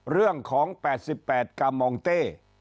เรื่องของ๘๘กามองเต้